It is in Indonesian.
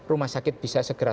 rumah sakit bisa segera